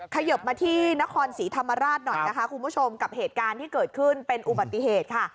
ขยบมาที่นครศรีธรรมราชหน่อยนะคะคุณผู้ชมกับเหตุการณ์ที่เกิดขึ้นเป็นอุบัติเหตุค่ะ